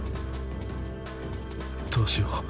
どうしよう。